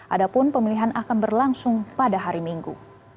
adapun pemilihan akan berlangsung pada hari minggu